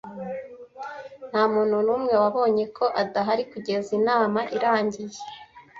Ntamuntu numwe wabonye ko adahari kugeza inama irangiye.